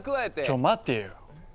ちょっ待てよ！